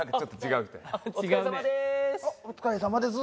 あっお疲れさまでーす！